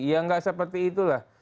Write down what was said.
ya nggak seperti itulah